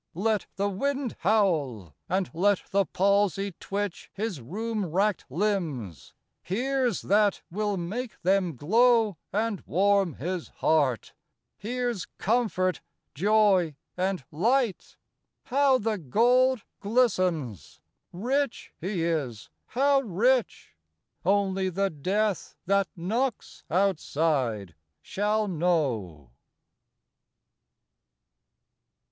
Let the wind howl! and let the palsy twitch His rheum racked limbs! here's that will make them glow And warm his heart! here's comfort, joy and light! How the gold glistens! Rich he is; how rich Only the death that knocks outside shall know.